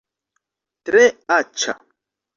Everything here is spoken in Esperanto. Tre aĉa